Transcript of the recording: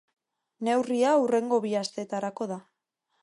Neurria hurrengo bi asteetarako da.